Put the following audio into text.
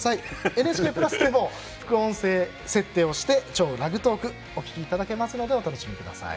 「ＮＨＫプラス」でも副音声設定をして「超ラグトーク」お聞きいただけますので楽しみください。